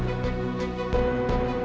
unik dengan terserah